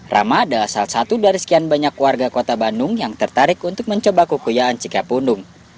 rama adalah salah satu dari sekian banyak warga kota bandung yang tertarik untuk mencoba kekuyaan cikapundung